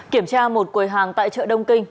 kiểm tra một quầy hàng tại chợ đông kinh